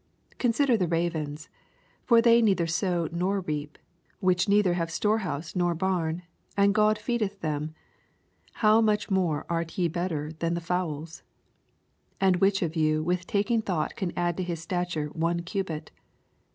24 Consider the ravens ; for they neither sow nor reap : which neither have storehonse nor oarn ; and God feedeth them : how mnch more are ye better than the fowls ? 26 And which of yon with taking thought can add to his stature one cubit